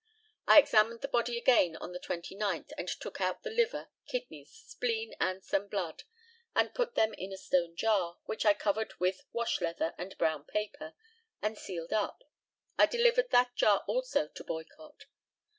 I examined the body again on the 29th, and took out the liver, kidneys, spleen, and some blood. I put them in a stone jar, which I covered with washleather and brown paper, and sealed up. I delivered that jar also to Boycott.